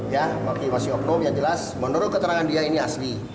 ya tapi masih oknum yang jelas menurut keterangan dia ini asli